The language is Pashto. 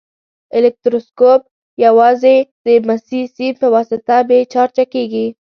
الکتروسکوپ یوازې د مسي سیم په واسطه بې چارجه کیږي.